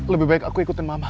lebih baik aku ikutin mama